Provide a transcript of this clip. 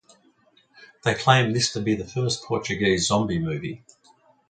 They claim this to be the first Portuguese zombie movie.